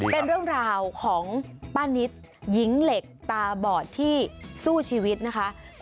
เป็นเรื่องราวของป้านิตหญิงเหล็กตาบอดที่สู้ชีวิตนะคะ